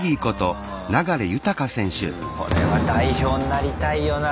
これは代表になりたいよな